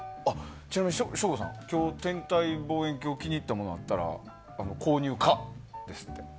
ちなみに省吾さん天体望遠鏡気に入ったものあったら購入可ですので。